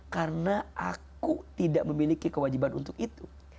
karena aku tidak memiliki kewajiban untuk itu